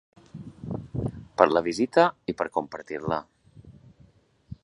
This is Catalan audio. Per la visita, i per compartir-la.